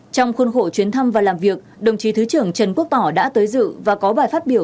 trong khuôn khổ chuyến thăm và làm việc đồng chí thứ trưởng trần quốc tỏ đã tới dự và có bài phát biểu